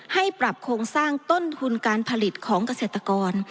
ให้ปรับโครงสร้างต้นทุนการผลิตของเกษตรกร